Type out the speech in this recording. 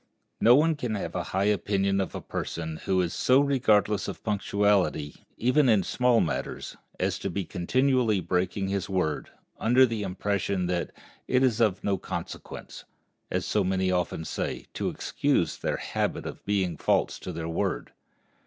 No one can have a high opinion of a person who is so regardless of punctuality, even in small matters, as to be continually breaking his word, under the impression that "it is of no consequence," as so many often say, to excuse their habit of being false to their word.